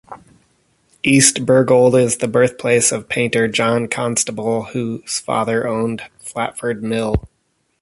East Bergholt is the birthplace of painter John Constable whose father owned Flatford Mill.